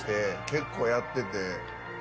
結構やってて。